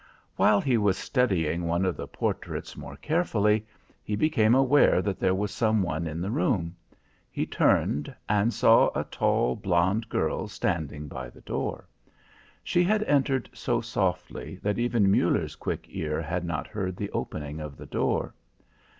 While he was studying one of the portraits more carefully, he became aware that there was some one in the room. He turned and saw a tall blond girl standing by the door. She had entered so softly that even Muller's quick ear had not heard the opening of the door.